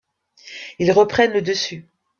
Ils reprennent le dessus.